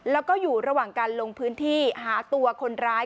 แล้วก็อยู่ระหว่างการลงพื้นที่หาตัวคนร้าย